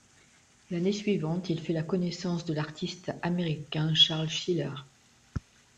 L'année suivante, il fait la connaissance de l'artiste américain Charles Sheeler.